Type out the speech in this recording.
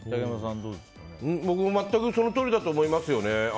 僕も全くその通りだと思います。